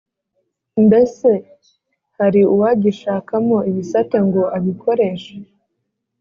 Mbese hari uwagishakamo ibisate ngo abikoreshe?